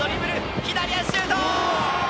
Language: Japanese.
左足シュート！